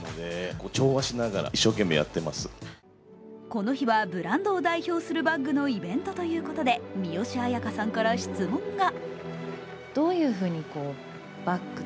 この日はブランドを代表するバッグのイベントということで三吉彩花さんから質問が。